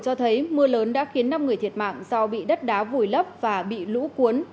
cho thấy mưa lớn đã khiến năm người thiệt mạng do bị đất đá vùi lấp và bị lũ cuốn